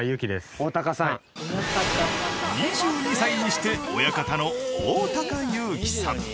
２２歳にして親方の大優貴さん。